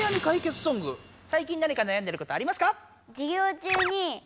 さい近何か悩んでることありますか？